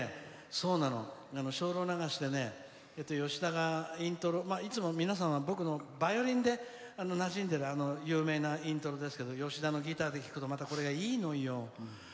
「精霊流し」で吉田がいつも皆さんは僕のバイオリンでなじんでる有名なイントロですけど吉田のギターで弾くとまたいいのよ。